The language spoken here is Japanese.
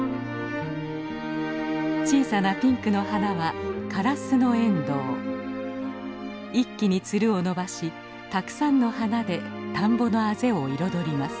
小さなピンクの花は一気につるを伸ばしたくさんの花で田んぼのあぜを彩ります。